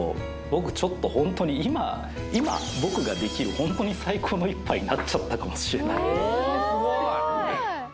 僕ちょっとホントに今今僕ができるホントに最高の一杯になっちゃったかもしれないいや